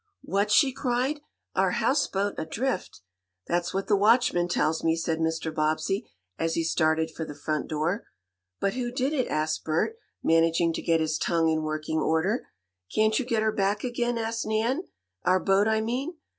"What!" she cried. "Our houseboat adrift?" "That's what the watchman tells me," said Mr. Bobbsey, as he started for the front door. "But who did it?" asked Bert, managing to get his tongue in working order. "Can't you get her back again?" asked Nan. "Our boat, I mean."